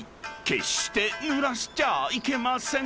決してぬらしちゃいけません］